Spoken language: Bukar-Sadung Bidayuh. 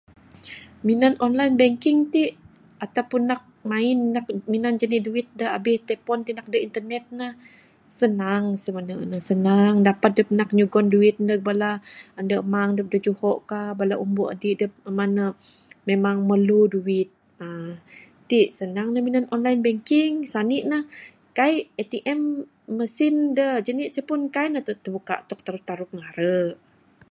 Minan online banking ti, atau pun nak main nak minan jani duit da abih telepon ti nak aduh internet ne, senang simene ne, senang, dapat dup ngugon duit ndug bala andu amang da juho ka, bala umbu adi adup, laman ne memang merlu duit. Aa, ti senang ne minan online banking. Sani ne, kai ATM, mesin da jani ce pun kai ne tibuka tok teru-teru bingaru.